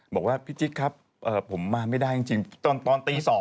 บอกว่าพี่จิ๊กครับผมมาไม่ได้จริงตอนตี๒